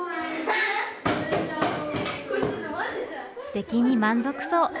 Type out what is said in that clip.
出来に満足そう。